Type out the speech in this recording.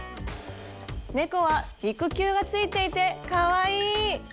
猫は肉球がついていてかわいい！